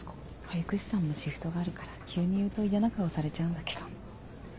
保育士さんもシフトがあるから急に言うと嫌な顔されちゃうんだけど。